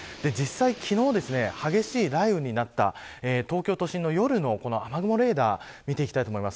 実際、昨日激しい雷雨になった東京都心の夜の雨雲レーダーを見ていきたいと思います。